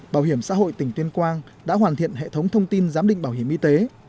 bảo hiểm xã hội tỉnh tuyên quang đã hoàn thiện hệ thống thông tin giám định bảo hiểm y tế